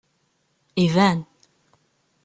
Iban!